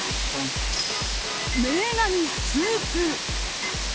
名画にスープ。